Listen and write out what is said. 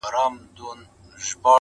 زرافه هم ډېره جګه وي ولاړه-